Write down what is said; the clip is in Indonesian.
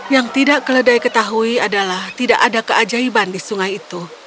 yang tidak keledai ketahui adalah tidak ada keajaiban di sungai itu